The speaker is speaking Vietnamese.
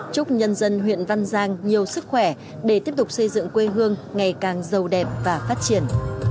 chúc nhân dân huyện văn giang nhiều sức khỏe để tiếp tục xây dựng quê hương ngày càng giàu đẹp và phát triển